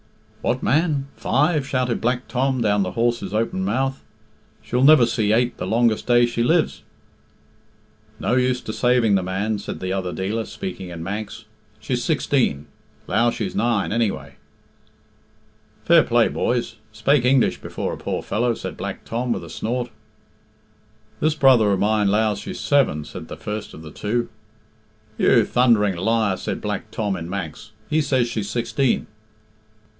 "What, man? Five?" shouted Black Tom down the horse's open mouth. "She'll never see eight the longest day she lives." "No use decaiving the man," said the other dealer, speaking in Manx. "She's sixteen 'low she's nine, anyway." "Fair play, boys; spake English before a poor fellow," said Black Tom, with a snort. "This brother of mine lows she's seven," said the first of the two. "You thundering liar," said Black Tom in Manx. "He says she's sixteen."